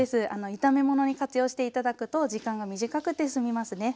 炒め物に活用して頂くと時間が短くてすみますね。